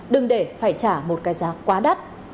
đừng để phải trả một cái giá quá đắt